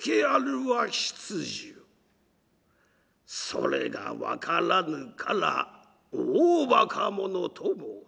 それが分からぬから大ばか者と申した。